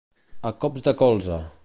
A cops de colze.